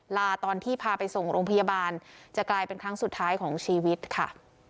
ลาตอนที่พาไปส่งโรงพยาบาลจะกลายเป็นครั้งสุดท้ายของชีวิตค่ะ